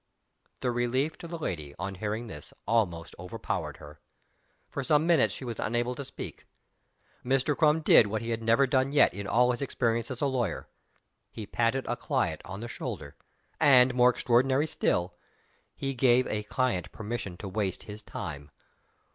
The relief to the lady, on hearing this, almost overpowered her. For some minutes she was unable to speak. Mr. Crum did, what he had never done yet in all his experience as a lawyer. He patted a client on the shoulder, and, more extraordinary still, he gave a client permission to waste his time.